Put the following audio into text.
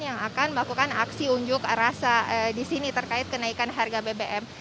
yang akan melakukan aksi unjuk rasa di sini terkait kenaikan harga bbm